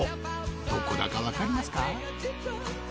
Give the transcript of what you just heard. どこだかわかりますか？